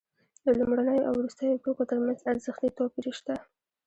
د لومړنیو او وروستیو توکو ترمنځ ارزښتي توپیر شته